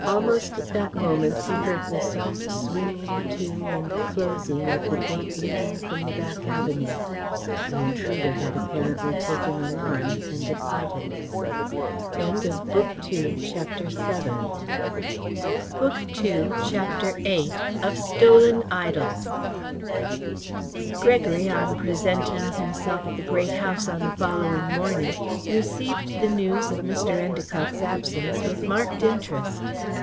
Almost at that moment he heard the soft swinging to and closing of the gate leading from the back avenue. The intruder had apparently taken alarm and departed. CHAPTER VIII Gregory, on presenting himself at the Great House on the following morning, received the news of Mr. Endacott's absence with marked interest.